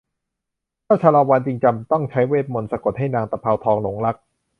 เจ้าชาละวันจึงจำต้องใช้เวทมนตร์สะกดให้นางตะเภาทองหลงรัก